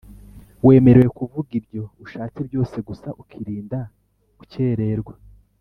wemerewe kuvuga ibyo ushatse byose gusa ukirinda gukererwa